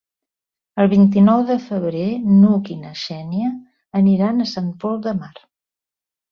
El vint-i-nou de febrer n'Hug i na Xènia aniran a Sant Pol de Mar.